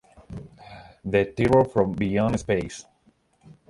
The Terror from Beyond Space".